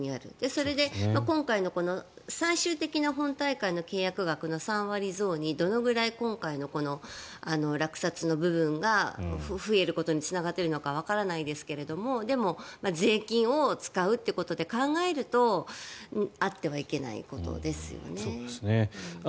それで今回のこの最終的な本大会の契約額の３割増にどれだけ今回の落札の部分が増えることにつながっているのかわからないですけどでも、税金を使うということで考えるとあってはいけないことですよね。